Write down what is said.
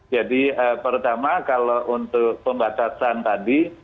jadi pertama kalau untuk pembatasan tadi